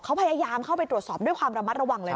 เขาพยายามเข้าไปตรวจสอบด้วยความระมัดระวังเลย